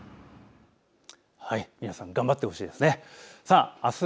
皆さん頑張ってほしいですね。